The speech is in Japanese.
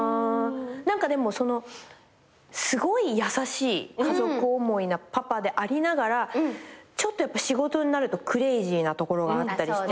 何かでもすごい優しい家族思いなパパでありながらちょっと仕事になるとクレイジーなところがあったりして。